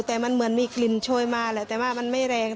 แต่มันเหมือนมีกลิ่นโชยมาแหละแต่ว่ามันไม่แรง